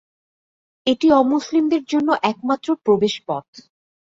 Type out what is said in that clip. এটি অমুসলিমদের জন্য একমাত্র প্রবেশ পথ।